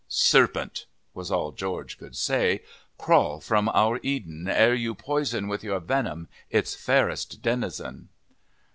"Serpent," was all George could say, "crawl from our Eden, ere you poison with your venom its fairest denizen."